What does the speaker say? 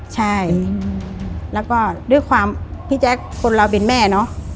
ใช่แล้วก็ด้วยความพี่แจ๊คคนเราเป็นแม่เนอะ